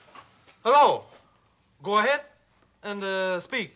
ああ。